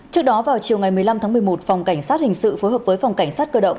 trước đó vào chiều ngày một mươi năm tháng một mươi một phòng cảnh sát hình sự phối hợp với phòng cảnh sát cơ động